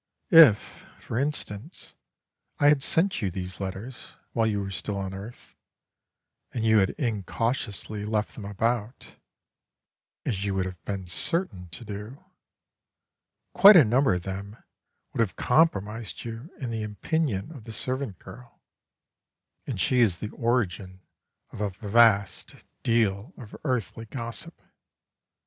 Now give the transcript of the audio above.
If, for instance, I had sent you these letters while you were still on earth, and you had incautiously left them about (as you would have been certain to do), quite a number of them would have compromised you in the opinion of the servant girl, and she is the origin of a vast deal of earthly gossip.